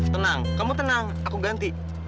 tenang kamu tenang aku ganti